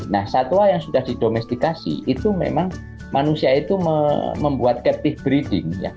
nah satwa yang sudah didomestikasi itu memang manusia itu membuat captive breeding